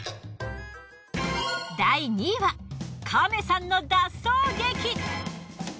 第２位はカメさんの脱走劇！